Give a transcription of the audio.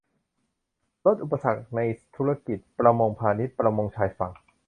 ลดอุปสรรคในธุรกิจ ประมงพาณิชย์ ประมงชายฝั่ง